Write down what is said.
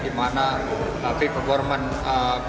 di mana v performance penampilan